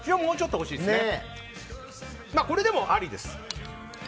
これでもありです。